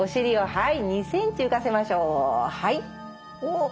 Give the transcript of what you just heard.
はい。